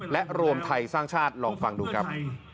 และรวมไทยสร้างชาติลองฟังดูครับ